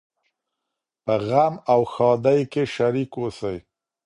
په غم او ښادۍ کي شريک اوسئ.